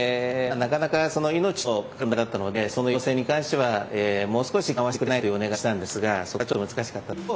なかなか、命と関わる問題だったので、その要請に関しては、もう少し緩和してくれないかとお願いはしたんですが、そこはちょっと難しかったですね。